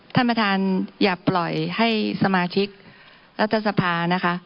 ท่านประธานอย่าปล่อยให้สมาชิกรัฐสภานะคะ